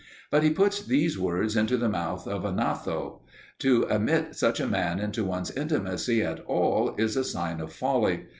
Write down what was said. But he puts these words into the mouth of a Gnatho. To admit such a man into one's intimacy at all is a sign of folly.